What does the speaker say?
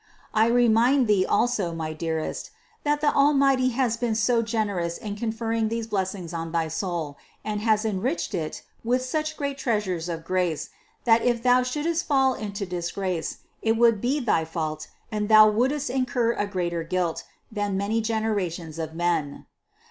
I remind thee also, my dearest, that the Almighty has been so generous in conferring these blessings on thy soul and has enriched it with such great treasures of grace, that if thou shouldst fall into disgrace, it would be thy fault, and thou wouldst incur a greater guilt, than many generations of men.